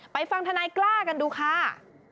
ฟังธนายกล้ากันดูค่ะ